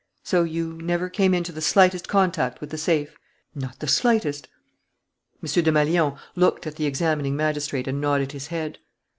"So you never came into the slightest contact with the safe?" "Not the slightest." M. Desmalions looked at the examining magistrate and nodded his head.